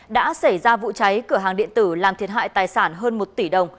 đã xảy ra vụ cháy cửa hàng điện tử làm thiệt hại tài sản hơn một tỷ đồng